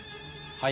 はい。